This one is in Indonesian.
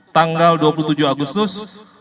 tanggal dua puluh tujuh agustus dua ribu enam belas